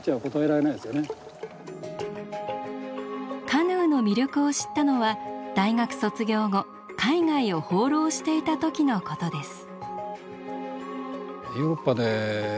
カヌーの魅力を知ったのは大学卒業後海外を放浪していた時のことです。